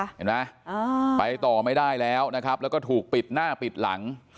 เห็นไหมไปต่อไม่ได้แล้วนะครับแล้วก็ถูกปิดหน้าปิดหลัง